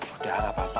udah gak apa apa